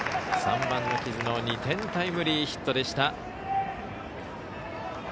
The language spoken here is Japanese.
３番の木津の２点タイムリーヒットでした。